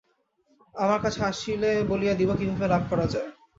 আমার কাছে আসিলে বলিয়া দিব, কিভাবে লাভ করা যায়।